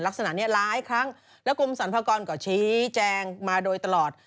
ลักษณะนี้หลายครั้งแล้วกรมสรรพากรก็ชี้แจงมาโดยตลอด